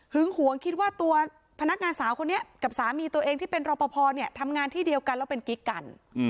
หวงคิดว่าตัวพนักงานสาวคนนี้กับสามีตัวเองที่เป็นรอปภทำงานที่เดียวกันแล้วเป็นกิ๊กกัน